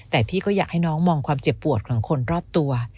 แต่พี่ก็อยากให้น้องมองความเจ็บปวดของคนรอบตัว